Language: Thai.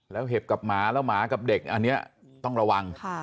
แล้วเห็บกับหมาแล้วหมากับเด็กอันนี้ต้องระวัง